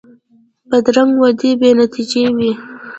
بدرنګه وعدې بې نتیجې وي